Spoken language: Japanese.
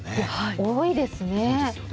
多いですね。